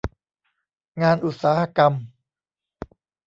งานอุตสาหกรรม